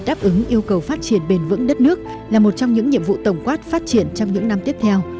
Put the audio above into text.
đáp ứng yêu cầu phát triển bền vững đất nước là một trong những nhiệm vụ tổng quát phát triển trong những năm tiếp theo